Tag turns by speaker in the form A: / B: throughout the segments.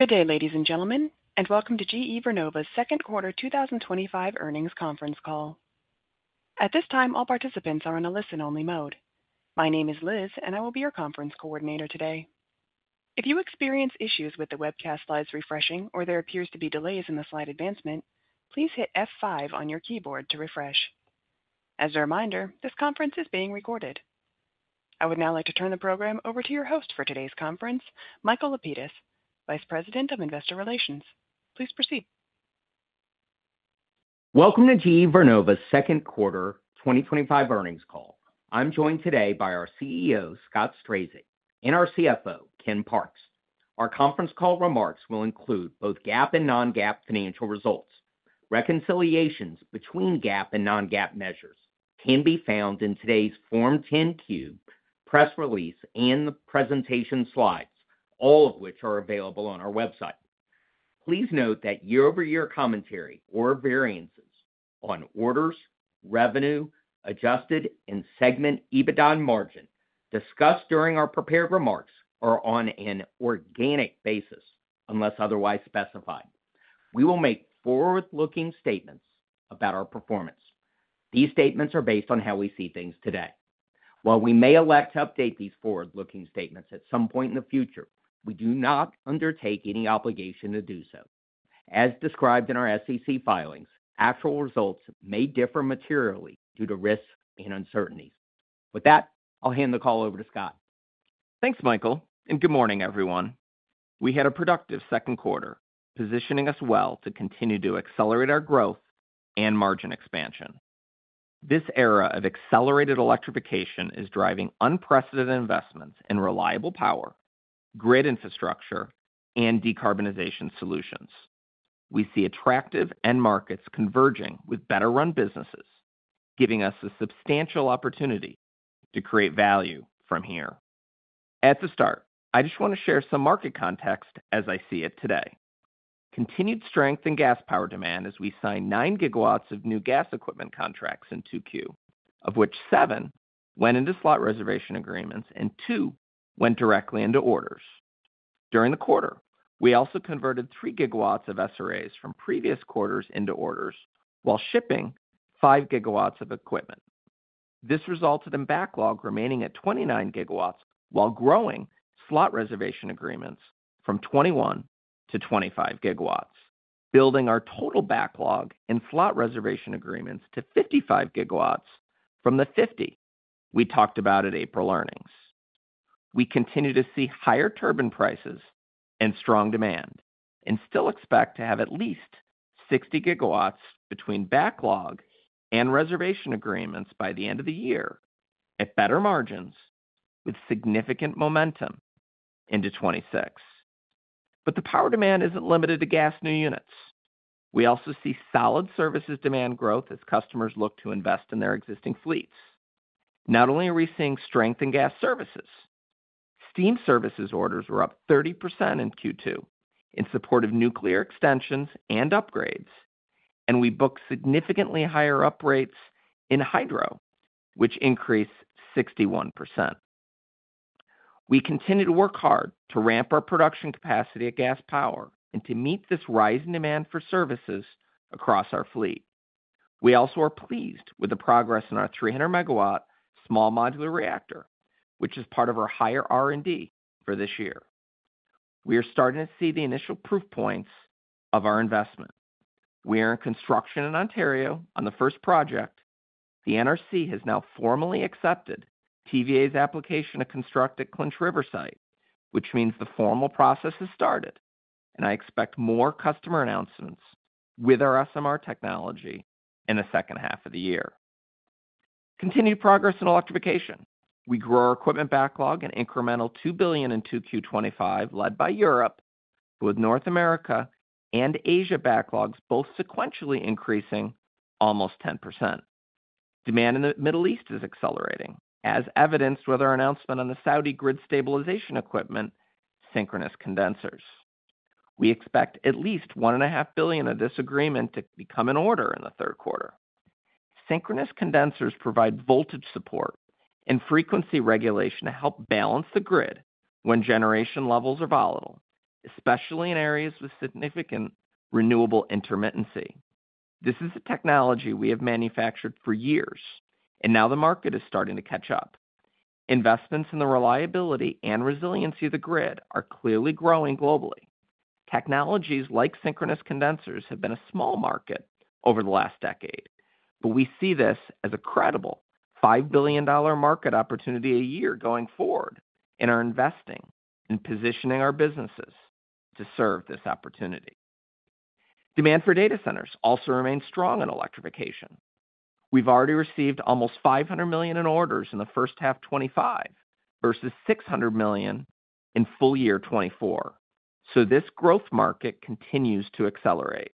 A: Good day, ladies and gentlemen, and welcome to GE Vernova's second quarter 2025 earnings conference call. At this time, all participants are in a listen-only mode. My name is Liz, and I will be your conference coordinator today. If you experience issues with the webcast slides refreshing or there appears to be delays in the slide advancement, please hit F5 on your keyboard to refresh. As a reminder, this conference is being recorded. I would now like to turn the program over to your host for today's conference, Michael Lapides, Vice President of Investor Relations. Please proceed.
B: Welcome to GE Vernova's second quarter 2025 earnings call. I'm joined today by our CEO, Scott Strazik, and our CFO, Ken Parks. Our conference call remarks will include both GAAP and non-GAAP financial results. Reconciliations between GAAP and non-GAAP measures can be found in today's Form 10-Q, press release, and the presentation slides, all of which are available on our website. Please note that year-over-year commentary or variances on orders, revenue, adjusted, and segment EBITDA and margin discussed during our prepared remarks are on an organic basis unless otherwise specified. We will make forward-looking statements about our performance. These statements are based on how we see things today. While we may elect to update these forward-looking statements at some point in the future, we do not undertake any obligation to do so. As described in our SEC filings, actual results may differ materially due to risks and uncertainties. With that, I'll hand the call over to Scott.
C: Thanks, Michael, and good morning, everyone. We had a productive second quarter, positioning us well to continue to accelerate our growth and margin expansion. This era of accelerated Electrification is driving unprecedented investments in reliable Power, grid infrastructure, and decarbonization solutions. We see attractive end markets converging with better-run businesses, giving us a substantial opportunity to create value from here. At the start, I just want to share some market context as I see it today. Continued strength in gas Power demand as we signed 9 GW of new gas equipment contracts in 2Q, of which 7 GW went into slot reservation agreements and 2 GW went directly into orders. During the quarter, we also converted 3 GW of SRAs from previous quarters into orders while shipping 5 GW of equipment. This resulted in backlog remaining at 29 GW while growing slot reservation agreements from 21 to 25 GW, building our total backlog in slot reservation agreements to 55 GW from the 50 we talked about at April earnings. We continue to see higher turbine prices and strong demand and still expect to have at least 60 GW between backlog and reservation agreements by the end of the year at better margins with significant momentum into 2026. The Power demand is not limited to gas new units. We also see solid services demand growth as customers look to invest in their existing fleets. Not only are we seeing strength in gas services. Steam services orders were up 30% in Q2 in support of nuclear extensions and upgrades, and we booked significantly higher upgrades in hydro, which increased 61%. We continue to work hard to ramp our production capacity at gas Power and to meet this rise in demand for services across our fleet. We also are pleased with the progress in our 300 MW Small Modular Reactor, which is part of our higher R&D for this year. We are starting to see the initial proof points of our investment. We are in construction in Ontario on the first project. The NRC has now formally accepted TVA's application to construct at Clinch River site, which means the formal process has started, and I expect more customer announcements with our SMR technology in the second half of the year. Continued progress in Electrification. We grow our equipment backlog an incremental $2 billion in 2Q 2025, led by Europe, with North America and Asia backlogs both sequentially increasing almost 10%. Demand in the Middle East is accelerating, as evidenced with our announcement on the Saudi grid stabilization equipment, synchronous condensers. We expect at least $1.5 billion of this agreement to become an order in the third quarter. Synchronous condensers provide voltage support and frequency regulation to help balance the grid when generation levels are volatile, especially in areas with significant renewable intermittency. This is a technology we have manufactured for years, and now the market is starting to catch up. Investments in the reliability and resiliency of the grid are clearly growing globally. Technologies like synchronous condensers have been a small market over the last decade, but we see this as a credible $5 billion market opportunity a year going forward in our investing and positioning our businesses to serve this opportunity. Demand for data centers also remains strong in Electrification. We've already received almost $500 million in orders in the first half of 2025 versus $600 million in full year 2024, so this growth market continues to accelerate.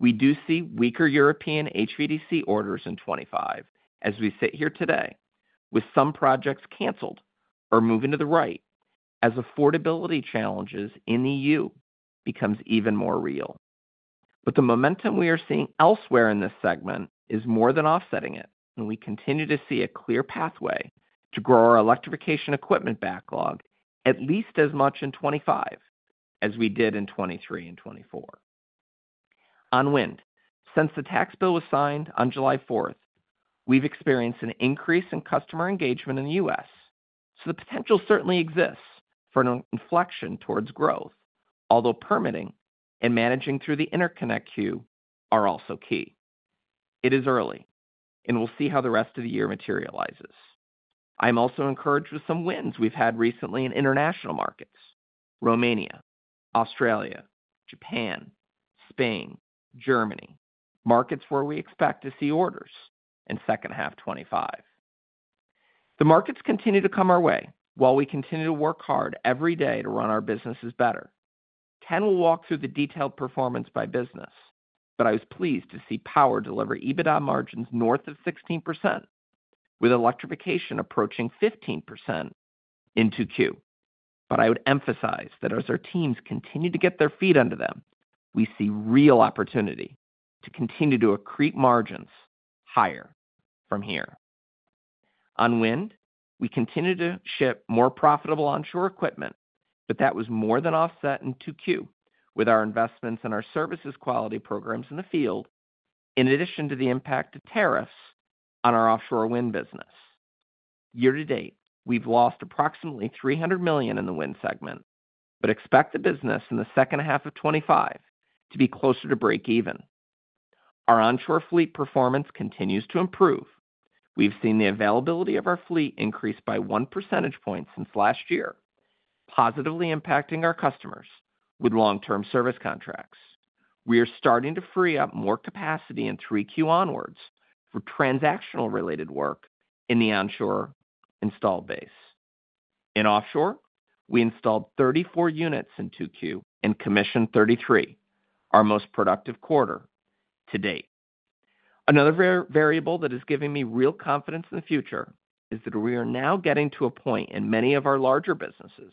C: We do see weaker European HVDC orders in 2025 as we sit here today, with some projects canceled or moving to the right as affordability challenges in EU become even more real. The momentum we are seeing elsewhere in this segment is more than offsetting it, and we continue to see a clear pathway to grow our Electrification equipment backlog at least as much in 2025 as we did in 2023 and 2024. On wind, since the tax bill was signed on July 4th, we've experienced an increase in customer engagement in the U.S., so the potential certainly exists for an inflection towards growth, although permitting and managing through the interconnect queue are also key. It is early, and we'll see how the rest of the year materializes. I'm also encouraged with some wins we've had recently in international markets: Romania, Australia, Japan, Spain, Germany—markets where we expect to see orders in second half 2025. The markets continue to come our way while we continue to work hard every day to run our businesses better. Ken will walk through the detailed performance by business, but I was pleased to see Power deliver EBITDA margins north of 16%, with Electrification approaching 15% in 2Q. I would emphasize that as our teams continue to get their feet under them, we see real opportunity to continue to accrete margins higher from here. On Wind, we continue to ship more profitable onshore equipment, but that was more than offset in 2Q with our investments in our services quality programs in the field, in addition to the impact of tariffs on our Offshore Wind business. Year to date, we've lost approximately $300 million in the Wind segment, but expect the business in the second half of 2025 to be closer to break even. Our onshore fleet performance continues to improve. We've seen the availability of our fleet increase by one percentage point since last year, positively impacting our customers with long-term service contracts. We are starting to free up more capacity in 3Q onwards for transactional-related work in the onshore installed base. In offshore, we installed 34 units in 2Q and commissioned 33, our most productive quarter to date. Another variable that is giving me real confidence in the future is that we are now getting to a point in many of our larger businesses,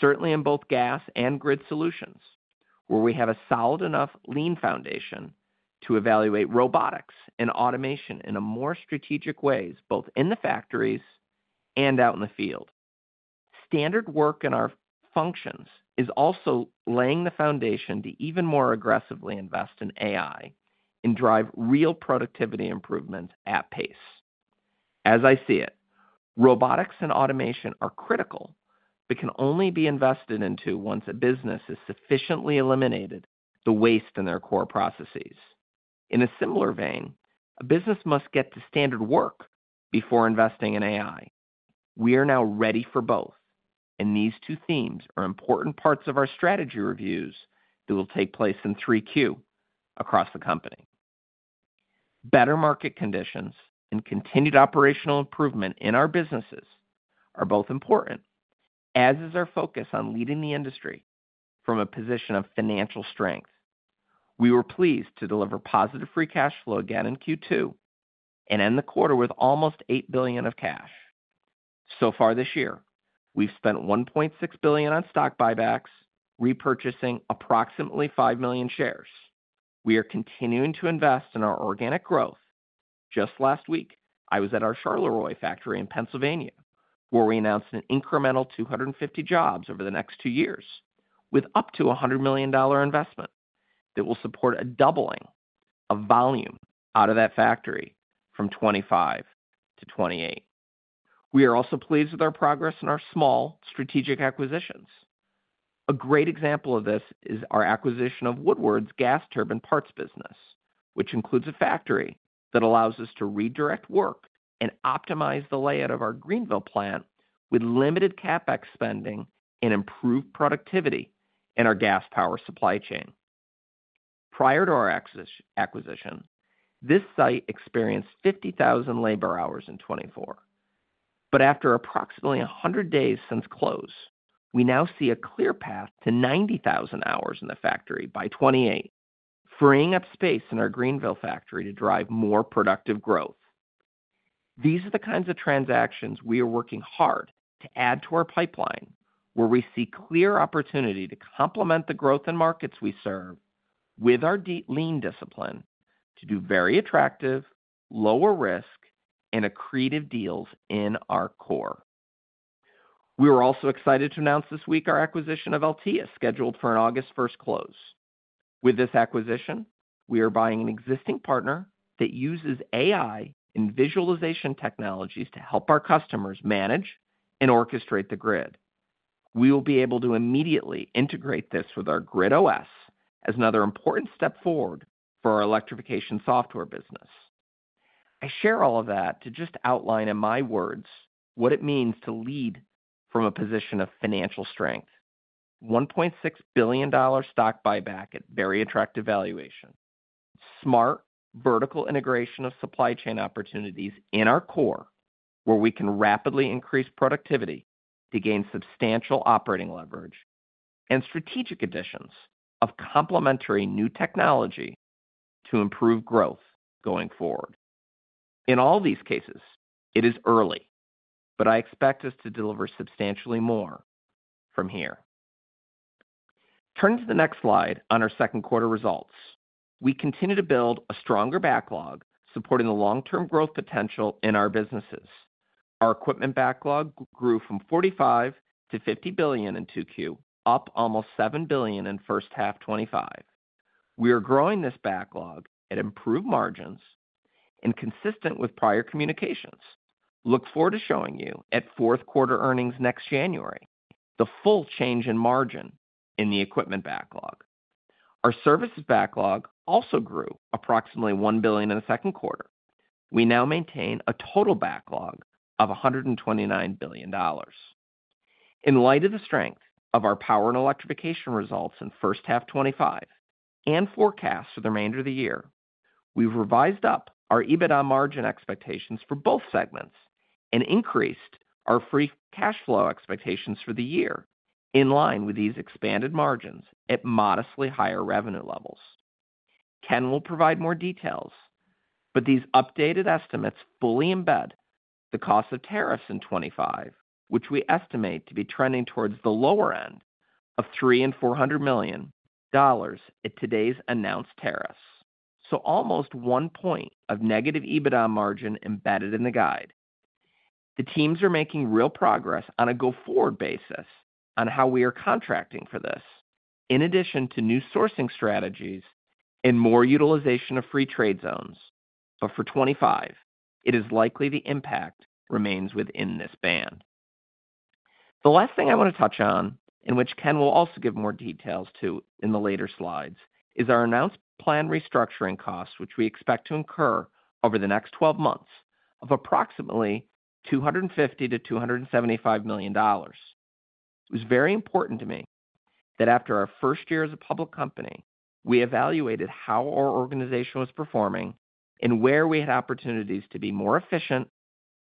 C: certainly in both gas and grid solutions, where we have a solid enough lean foundation to evaluate robotics and automation in more strategic ways, both in the factories and out in the field. Standard work in our functions is also laying the foundation to even more aggressively invest in AI and drive real productivity improvements at pace. As I see it, robotics and automation are critical but can only be invested into once a business has sufficiently eliminated the waste in their core processes. In a similar vein, a business must get to standard work before investing in AI. We are now ready for both, and these two themes are important parts of our strategy reviews that will take place in 3Q across the company. Better market conditions and continued operational improvement in our businesses are both important, as is our focus on leading the industry from a position of financial strength. We were pleased to deliver positive free cash flow again in Q2 and end the quarter with almost $8 billion of cash. So far this year, we've spent $1.6 billion on stock buybacks, repurchasing approximately 5 million shares. We are continuing to invest in our organic growth. Just last week, I was at our Charleroi factory in Pennsylvania, where we announced an incremental 250 jobs over the next two years with up to a $100 million investment that will support a doubling of volume out of that factory from 2025 to 2028. We are also pleased with our progress in our small strategic acquisitions. A great example of this is our acquisition of Woodward's gas turbine parts business, which includes a factory that allows us to redirect work and optimize the layout of our Greenville plant with limited CapEx spending and improved productivity in our gas Power supply chain. Prior to our acquisition, this site experienced 50,000 labor hours in 2024. But after approximately 100 days since close, we now see a clear path to 90,000 hours in the factory by 2028, freeing up space in our Greenville factory to drive more productive growth. These are the kinds of transactions we are working hard to add to our pipeline, where we see clear opportunity to complement the growth in markets we serve with our lean discipline to do very attractive, lower-risk, and accretive deals in our core. We were also excited to announce this week our acquisition of Alteia, scheduled for an August 1st close. With this acquisition, we are buying an existing partner that uses AI and visualization technologies to help our customers manage and orchestrate the grid. We will be able to immediately integrate this with our Grid OS as another important step forward for our Electrification software business. I share all of that to just outline in my words what it means to lead from a position of financial strength: $1.6 billion stock buyback at very attractive valuation, smart vertical integration of supply chain opportunities in our core, where we can rapidly increase productivity to gain substantial operating leverage, and strategic additions of complementary new technology to improve growth going forward. In all these cases, it is early, but I expect us to deliver substantially more from here. Turning to the next slide on our second quarter results, we continue to build a stronger backlog supporting the long-term growth potential in our businesses. Our equipment backlog grew from $45 billion to $50 billion in 2Q, up almost $7 billion in first half 2025. We are growing this backlog at improved margins and consistent with prior communications. Look forward to showing you at fourth quarter earnings next January, the full change in margin in the equipment backlog. Our services backlog also grew approximately $1 billion in the second quarter. We now maintain a total backlog of $129 billion. In light of the strength of our Power and Electrification results in first half 2025 and forecast for the remainder of the year, we've revised up our EBITDA margin expectations for both segments and increased our free cash flow expectations for the year in line with these expanded margins at modestly higher revenue levels. Ken will provide more details, but these updated estimates fully embed the cost of tariffs in 2025, which we estimate to be trending towards the lower end of $300 million and $400 million at today's announced tariffs. Almost one point of negative EBITDA margin embedded in the guide. The teams are making real progress on a go-forward basis on how we are contracting for this, in addition to new sourcing strategies and more utilization of free trade zones. For 2025, it is likely the impact remains within this band. The last thing I want to touch on, in which Ken will also give more details to in the later slides, is our announced plan restructuring costs, which we expect to incur over the next 12 months of approximately $250 million-$275 million. It was very important to me that after our first year as a public company, we evaluated how our organization was performing and where we had opportunities to be more efficient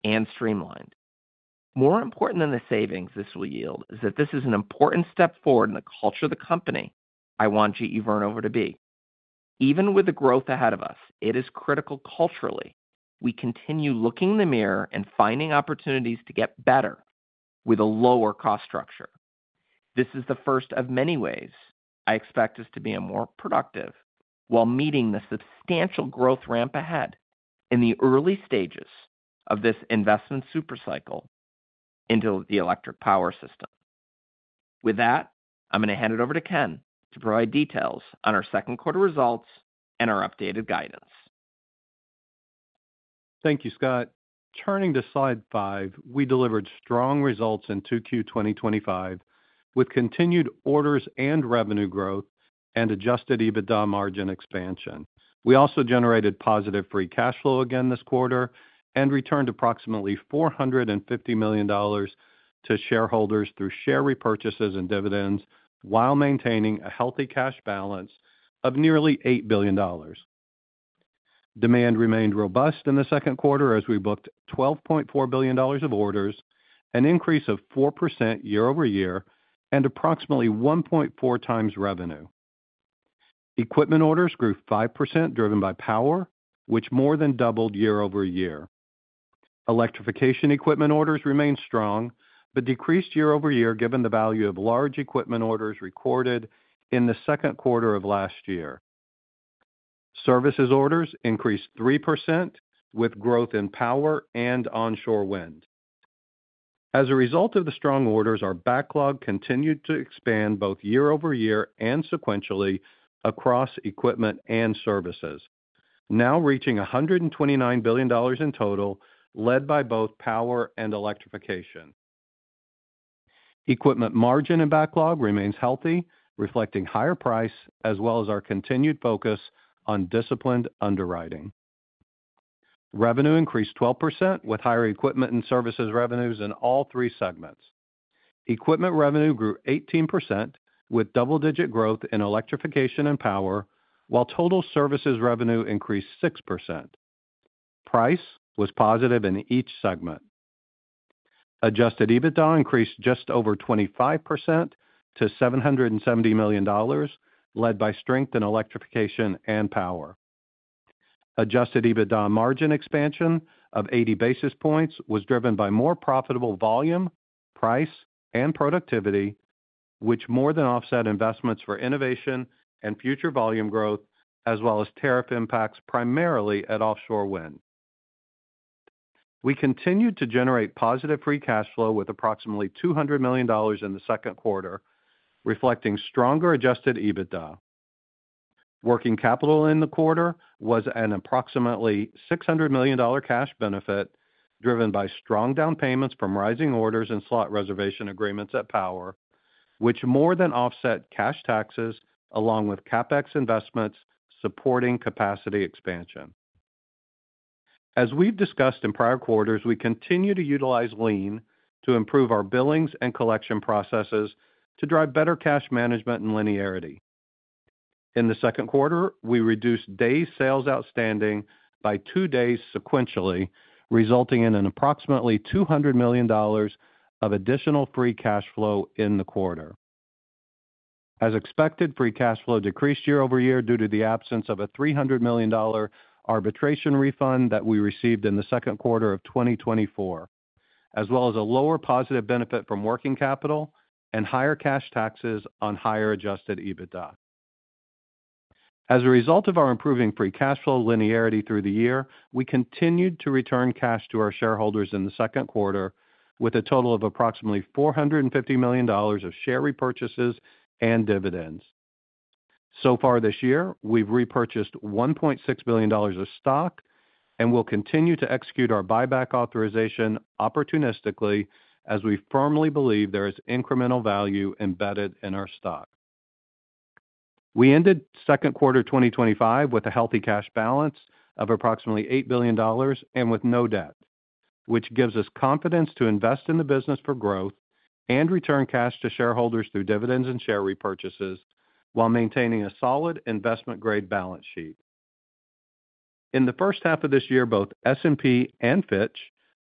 C: and streamlined. More important than the savings this will yield is that this is an important step forward in the culture of the company I want GE Vernova to be. Even with the growth ahead of us, it is critical culturally we continue looking in the mirror and finding opportunities to get better with a lower cost structure. This is the first of many ways I expect us to be more productive while meeting the substantial growth ramp ahead in the early stages of this investment supercycle into the electric Power system. With that, I'm going to hand it over to Ken to provide details on our second quarter results and our updated guidance.
D: Thank you, Scott. Turning to slide five, we delivered strong results in 2Q 2025 with continued orders and revenue growth and adjusted EBITDA margin expansion. We also generated positive free cash flow again this quarter and returned approximately $450 million to shareholders through share repurchases and dividends while maintaining a healthy cash balance of nearly $8 billion. Demand remained robust in the second quarter as we booked $12.4 billion of orders, an increase of 4% year-over-year, and approximately 1.4x revenue. Equipment orders grew 5%, driven by Power, which more than doubled year-over-year. Electrification equipment orders remained strong but decreased year-over-year given the value of large equipment orders recorded in the second quarter of last year. Services orders increased 3% with growth in Power and Onshore Wind. As a result of the strong orders, our backlog continued to expand both year-over-year and sequentially across equipment and services, now reaching $129 billion in total, led by both Power and Electrification. Equipment margin and backlog remains healthy, reflecting higher price as well as our continued focus on disciplined underwriting. Revenue increased 12% with higher equipment and services revenues in all three segments. Equipment revenue grew 18% with double-digit growth in Electrification and Power, while total services revenue increased 6%. Price was positive in each segment. Adjusted EBITDA increased just over 25% to $770 million, led by strength in Electrification and Power. Adjusted EBITDA margin expansion of 80 basis points was driven by more profitable volume, price, and productivity, which more than offset investments for innovation and future volume growth, as well as tariff impacts primarily at Offshore Wind. We continued to generate positive free cash flow with approximately $200 million in the second quarter, reflecting stronger adjusted EBITDA. Working capital in the quarter was an approximately $600 million cash benefit driven by strong down payments from rising orders and slot reservation agreements at Power, which more than offset cash taxes along with CapEx investments supporting capacity expansion. As we've discussed in prior quarters, we continue to utilize lean to improve our billings and collection processes to drive better cash management and linearity. In the second quarter, we reduced day sales outstanding by two days sequentially, resulting in an approximately $200 million of additional free cash flow in the quarter. As expected, free cash flow decreased year-over-year due to the absence of a $300 million arbitration refund that we received in the second quarter of 2024, as well as a lower positive benefit from working capital and higher cash taxes on higher adjusted EBITDA. As a result of our improving free cash flow linearity through the year, we continued to return cash to our shareholders in the second quarter with a total of approximately $450 million of share repurchases and dividends. So far this year, we've repurchased $1.6 billion of stock and will continue to execute our buyback authorization opportunistically as we firmly believe there is incremental value embedded in our stock. We ended second quarter 2025 with a healthy cash balance of approximately $8 billion and with no debt, which gives us confidence to invest in the business for growth and return cash to shareholders through dividends and share repurchases while maintaining a solid investment-grade balance sheet. In the first half of this year, both S&P and Fitch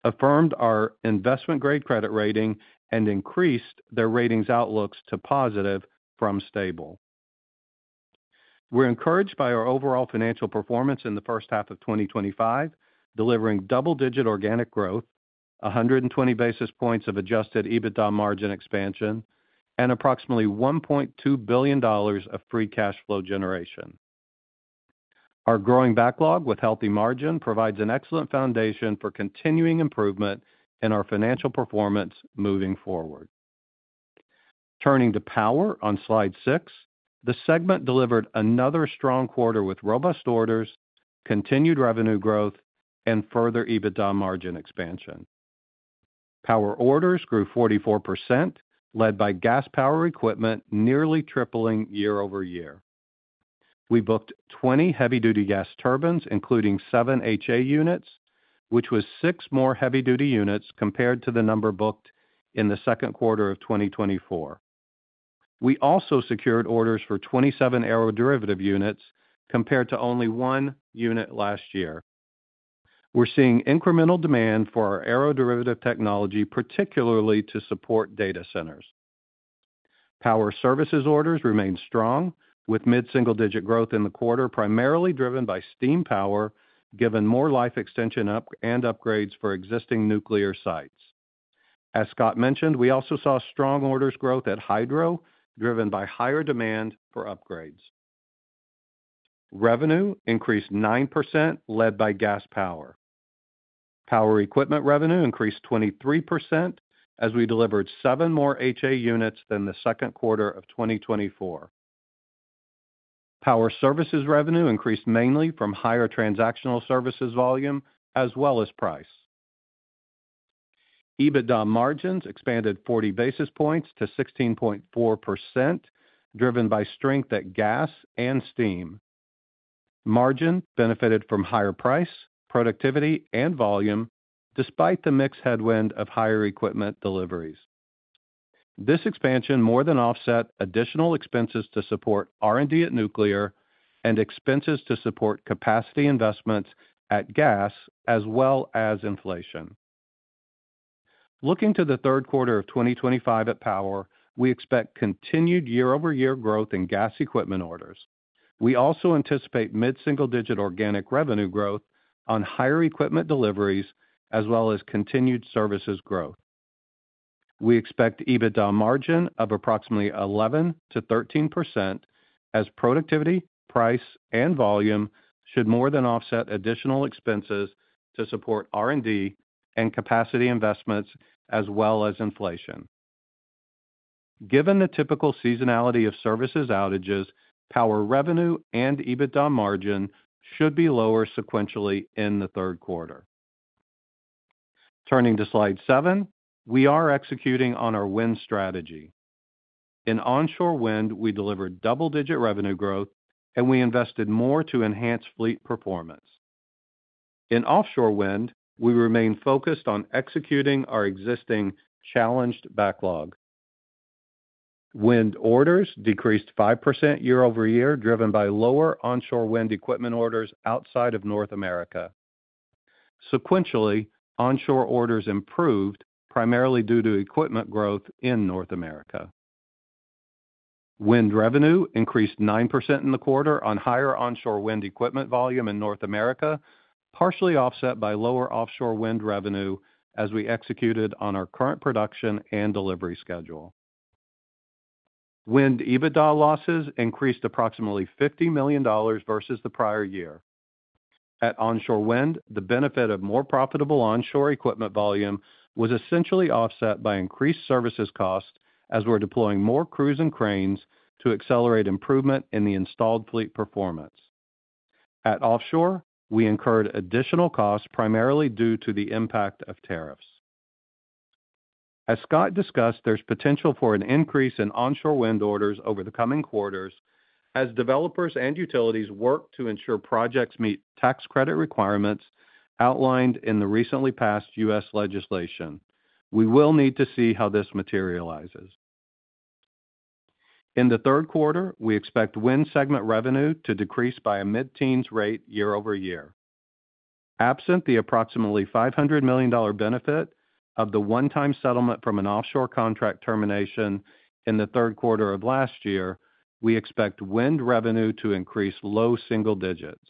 D: affirmed our investment-grade credit rating and increased their ratings outlooks to positive from stable. We're encouraged by our overall financial performance in the first half of 2025, delivering double-digit organic growth, 120 basis points of adjusted EBITDA margin expansion, and approximately $1.2 billion of free cash flow generation. Our growing backlog with healthy margin provides an excellent foundation for continuing improvement in our financial performance moving forward. Turning to Power on slide six, the segment delivered another strong quarter with robust orders, continued revenue growth, and further EBITDA margin expansion. Power orders grew 44%, led by Gas Power equipment nearly tripling year-over-year. We booked 20 heavy-duty gas turbines, including seven HA units, which was six more heavy-duty units compared to the number booked in the second quarter of 2024. We also secured orders for 27 aeroderivative units compared to only one unit last year. We're seeing incremental demand for our aeroderivative technology, particularly to support data centers. Power services orders remained strong, with mid-single-digit growth in the quarter primarily driven by Hteam Power, given more life extension and upgrades for existing nuclear sites. As Scott mentioned, we also saw strong orders growth at Hydro, driven by higher demand for upgrades. Revenue increased 9%, led by Gas Power. Power equipment revenue increased 23% as we delivered seven more HA units than the second quarter of 2024. Power services revenue increased mainly from higher transactional services volume as well as price. EBITDA margins expanded 40 basis points to 16.4%, driven by strength at Gas and Steam. Margin benefited from higher price, productivity, and volume despite the mixed headwind of higher equipment deliveries. This expansion more than offset additional expenses to support R&D at nuclear and expenses to support capacity investments at gas, as well as inflation. Looking to the third quarter of 2025 at Power, we expect continued year-over-year growth in gas equipment orders. We also anticipate mid-single-digit organic revenue growth on higher equipment deliveries, as well as continued services growth. We expect EBITDA margin of approximately 11%-13% as productivity, price, and volume should more than offset additional expenses to support R&D and capacity investments, as well as inflation. Given the typical seasonality of services outages, Power revenue and EBITDA margin should be lower sequentially in the third quarter. Turning to slide seven, we are executing on our Wind strategy. In Onshore Wind, we delivered double-digit revenue growth, and we invested more to enhance fleet performance. In Offshore Wind, we remain focused on executing our existing challenged backlog. Wind orders decreased 5% year-over-year, driven by lower Onshore Wind equipment orders outside of North America. Sequentially, onshore orders improved primarily due to equipment growth in North America. Wind revenue increased 9% in the quarter on higher Onshore Wind equipment volume in North America, partially offset by lower Offshore Wind revenue as we executed on our current production and delivery schedule. Wind EBITDA losses increased approximately $50 million versus the prior year. At Onshore Wind, the benefit of more profitable onshore equipment volume was essentially offset by increased services costs as we're deploying more crews and cranes to accelerate improvement in the installed fleet performance. At offshore, we incurred additional costs primarily due to the impact of tariffs. As Scott discussed, there's potential for an increase in Onshore Wind orders over the coming quarters as developers and utilities work to ensure projects meet tax credit requirements outlined in the recently passed U.S. legislation. We will need to see how this materializes. In the third quarter, we expect Wind segment revenue to decrease by a mid-teens rate year-over-year. Absent the approximately $500 million benefit of the one-time settlement from an offshore contract termination in the third quarter of last year, we expect wind revenue to increase low single digits.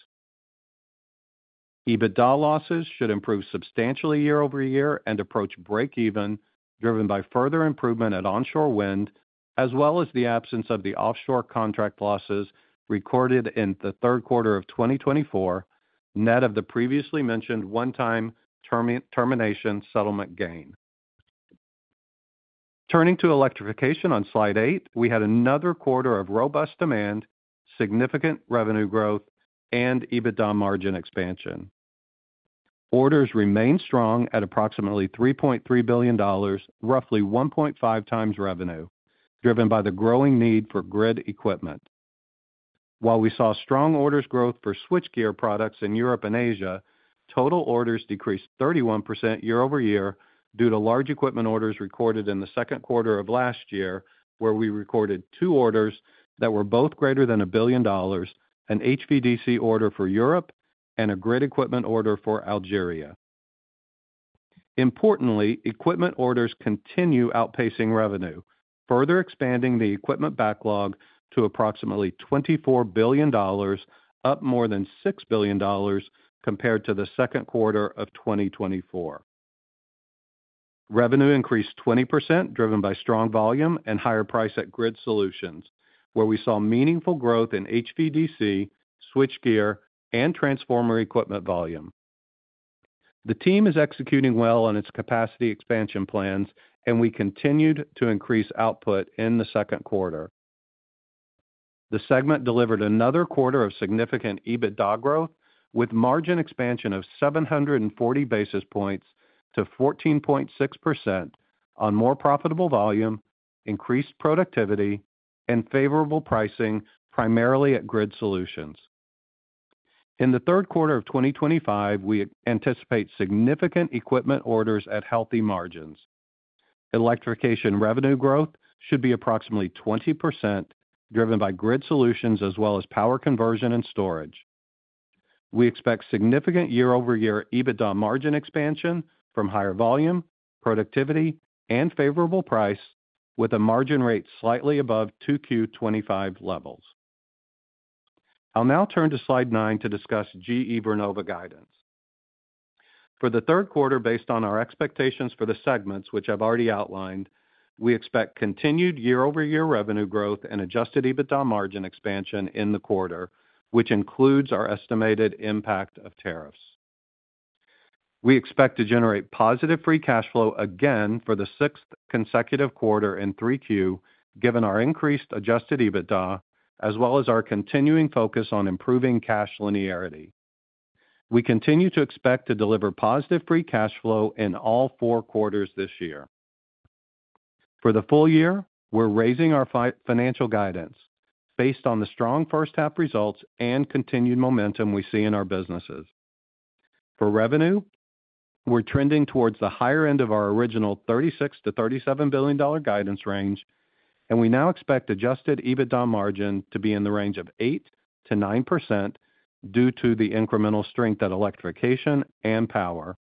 D: EBITDA losses should improve substantially year-over-year and approach break-even, driven by further improvement at Onshore Wind, as well as the absence of the offshore contract losses recorded in the third quarter of 2024, net of the previously mentioned one-time termination settlement gain. Turning to Electrification on slide eight, we had another quarter of robust demand, significant revenue growth, and EBITDA margin expansion. Orders remained strong at approximately $3.3 billion, roughly 1.5x revenue, driven by the growing need for grid equipment. While we saw strong orders growth for switchgear products in Europe and Asia, total orders decreased 31% year-over-year due to large equipment orders recorded in the second quarter of last year, where we recorded two orders that were both greater than $1 billion: an HVDC order for Europe and a grid equipment order for Algeria. Importantly, equipment orders continue outpacing revenue, further expanding the equipment backlog to approximately $24 billion, up more than $6 billion compared to the second quarter of 2024. Revenue increased 20%, driven by strong volume and higher price at Grid Solutions, where we saw meaningful growth in HVDC, switchgear, and transformer equipment volume. The team is executing well on its capacity expansion plans, and we continued to increase output in the second quarter. The segment delivered another quarter of significant EBITDA growth, with margin expansion of 740 basis points to 14.6% on more profitable volume, increased productivity, and favorable pricing primarily at Grid Solutions. In the third quarter of 2025, we anticipate significant equipment orders at healthy margins. Electrification revenue growth should be approximately 20%, driven by Grid Solutions as well as Power Conversion and Storage. We expect significant year-over-year EBITDA margin expansion from higher volume, productivity, and favorable price, with a margin rate slightly above 2Q 2025 levels. I'll now turn to slide nine to discuss GE Vernova guidance. For the third quarter, based on our expectations for the segments, which I've already outlined, we expect continued year-over-year revenue growth and adjusted EBITDA margin expansion in the quarter, which includes our estimated impact of tariffs. We expect to generate positive free cash flow again for the sixth consecutive quarter in 3Q, given our increased adjusted EBITDA, as well as our continuing focus on improving cash linearity. We continue to expect to deliver positive free cash flow in all four quarters this year. For the full year, we're raising our financial guidance based on the strong first-half results and continued momentum we see in our businesses. For revenue, we're trending towards the higher end of our original $36 billion-$37 billion guidance range, and we now expect adjusted EBITDA margin to be in the range of 8%-9% due to the incremental strength at Electrification and Power.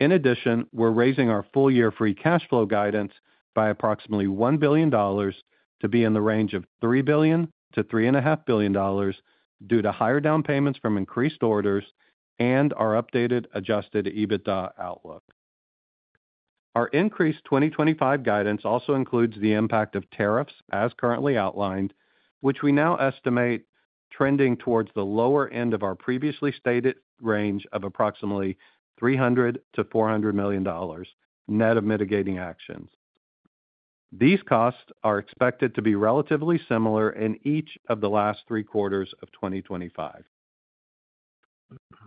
D: In addition, we're raising our full-year free cash flow guidance by approximately $1 billion to be in the range of $3 billion-$3.5 billion due to higher down payments from increased orders and our updated adjusted EBITDA outlook. Our increased 2025 guidance also includes the impact of tariffs, as currently outlined, which we now estimate trending towards the lower end of our previously stated range of approximately $300 million-$400 million net of mitigating actions. These costs are expected to be relatively similar in each of the last three quarters of 2025.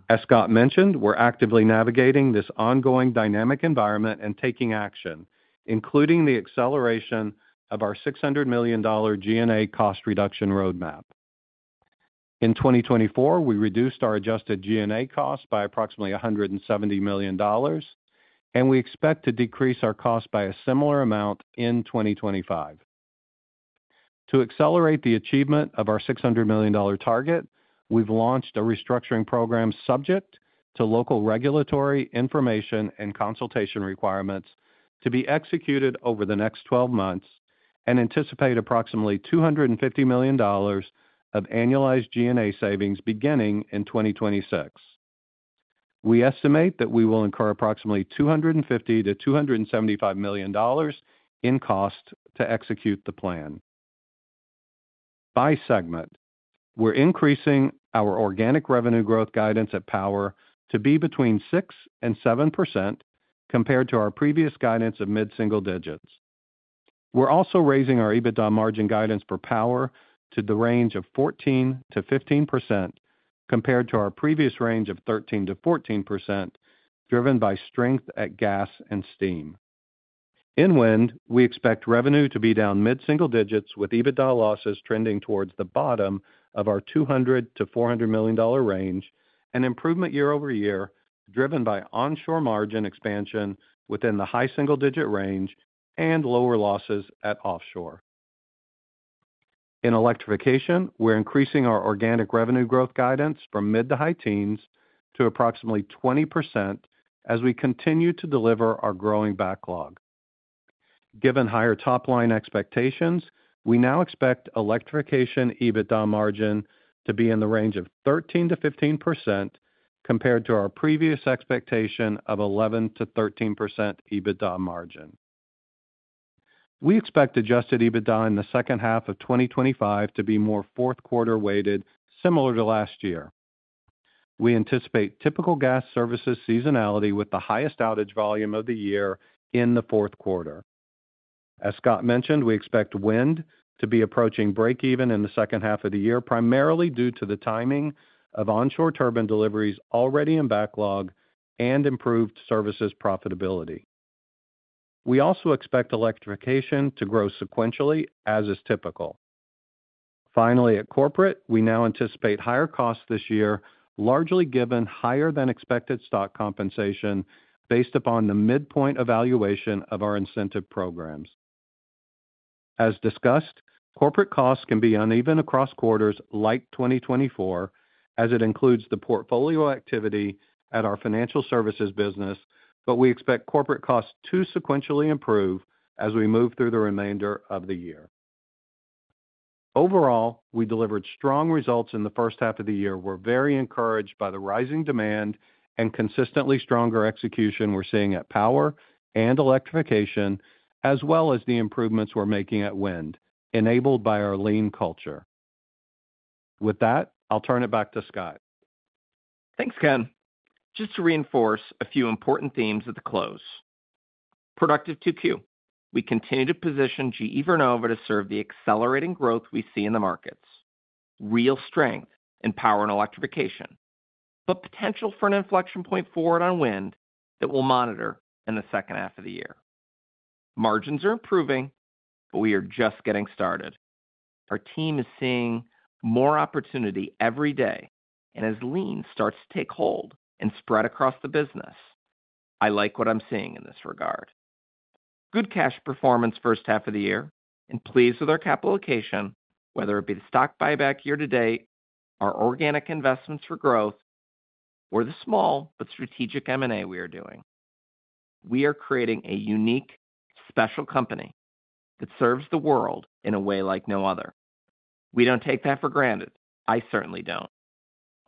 D: As Scott mentioned, we're actively navigating this ongoing dynamic environment and taking action, including the acceleration of our $600 million G&A cost reduction roadmap. In 2024, we reduced our adjusted G&A costs by approximately $170 million, and we expect to decrease our costs by a similar amount in 2025. To accelerate the achievement of our $600 million target, we've launched a restructuring program subject to local regulatory information and consultation requirements to be executed over the next 12 months and anticipate approximately $250 million of annualized G&A savings beginning in 2026. We estimate that we will incur approximately $250 million-$275 million in cost to execute the plan. By segment, we're increasing our organic revenue growth guidance at Power to be between 6% and 7% compared to our previous guidance of mid-single digits. We're also raising our EBITDA margin guidance for Power to the range of 14%-15% compared to our previous range of 13%-14%, driven by strength at Gas and Steam. In Wind, we expect revenue to be down mid-single digits, with EBITDA losses trending towards the bottom of our $200 million-$400 million range and improvement year-over-year, driven by onshore margin expansion within the high single-digit range and lower losses at Offshore. In Electrification, we're increasing our organic revenue growth guidance from mid to high teens to approximately 20% as we continue to deliver our growing backlog. Given higher top-line expectations, we now expect Electrification EBITDA margin to be in the range of 13%-15% compared to our previous expectation of 11%-13% EBITDA margin. We expect adjusted EBITDA in the second half of 2025 to be more fourth-quarter weighted, similar to last year. We anticipate typical gas services seasonality with the highest outage volume of the year in the fourth quarter. As Scott mentioned, we expect wind to be approaching break-even in the second half of the year, primarily due to the timing of onshore turbine deliveries already in backlog and improved services profitability. We also expect Electrification to grow sequentially as is typical. Finally, at corporate, we now anticipate higher costs this year, largely given higher-than-expected stock compensation based upon the midpoint evaluation of our incentive programs. As discussed, corporate costs can be uneven across quarters like 2024 as it includes the portfolio activity at our financial services business, but we expect corporate costs to sequentially improve as we move through the remainder of the year. Overall, we delivered strong results in the first half of the year. We're very encouraged by the rising demand and consistently stronger execution we're seeing at Power and Electrification, as well as the improvements we're making at Wind, enabled by our lean culture. With that, I'll turn it back to Scott.
C: Thanks, Ken. Just to reinforce a few important themes at the close. Productive 2Q. We continue to position GE Vernova to serve the accelerating growth we see in the markets. Real strength in Power and Electrification, but potential for an inflection point forward on Wind that we'll monitor in the second half of the year. Margins are improving, but we are just getting started. Our team is seeing more opportunity every day, and as lean starts to take hold and spread across the business. I like what I'm seeing in this regard. Good cash performance first half of the year, and pleased with our capital allocation, whether it be the stock buyback year to date, our organic investments for growth. Or the small but strategic M&A we are doing. We are creating a unique, special company that serves the world in a way like no other. We don't take that for granted. I certainly don't.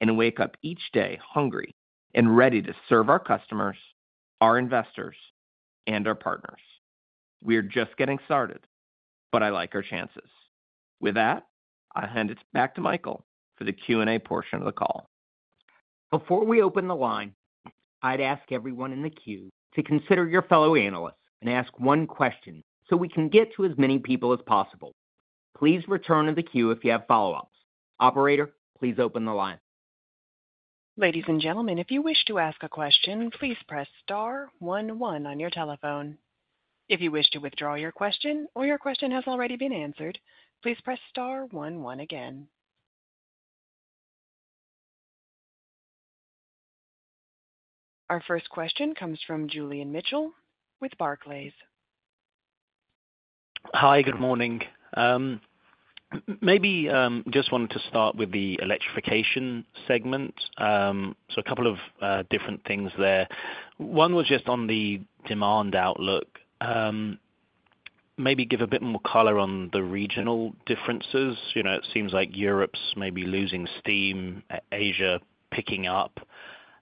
C: Wake up each day hungry and ready to serve our customers, our investors, and our partners. We are just getting started, but I like our chances. With that, I'll hand it back to Michael for the Q&A portion of the call.
B: Before we open the line, I'd ask everyone in the queue to consider your fellow analysts and ask one question so we can get to as many people as possible. Please return to the queue if you have follow-ups. Operator, please open the line.
A: Ladies and gentlemen, if you wish to ask a question, please press star one one on your telephone. If you wish to withdraw your question or your question has already been answered, please press star one one again. Our first question comes from Julian Mitchell with Barclays.
E: Hi, good morning. Maybe just wanted to start with the Electrification segment. So, a couple of different things there. One was just on the demand outlook. Maybe give a bit more color on the regional differences. It seems like Europe's maybe losing steam, Asia picking up.